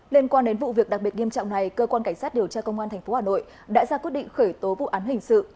liên quan đến vụ việc đặc biệt nghiêm trọng này cơ quan cảnh sát điều tra công an tp hà nội đã ra quyết định khởi tố vụ án hình sự